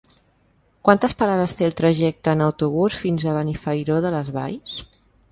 Quantes parades té el trajecte en autobús fins a Benifairó de les Valls?